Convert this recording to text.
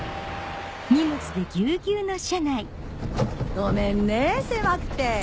ごめんね狭くて。